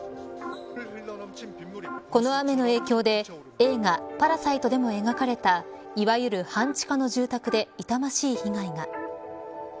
この雨の影響で映画、パラサイトでも描かれたいわゆる半地下の住宅でいたましい被害が。